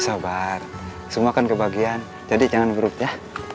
sabar semuakan kebahagiaan jadi jangan buruk ya